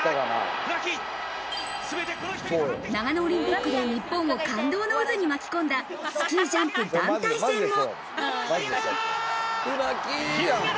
長野オリンピックで日本を感動の渦に巻き込んだスキージャンプ団体戦も。